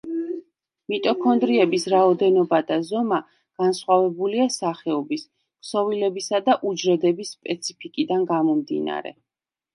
მიტოქონდრიების რაოდენობა და ზომა განსხვავებულია სახეობის, ქსოვილებისა და უჯრედების სპეციფიკიდან გამომდინარე.